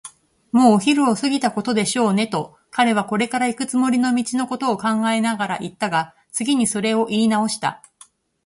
「もうお昼を過ぎたことでしょうね」と、彼はこれからいくつもりの道のことを考えながらいったが、次にそれをいいなおした。